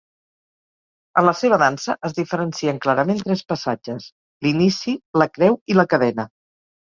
En la seva dansa es diferencien clarament tres passatges: l'inici, la creu i la cadena.